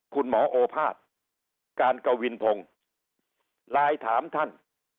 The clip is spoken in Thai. คุณหมอโอภาสการกวินทรงลายถามท่าน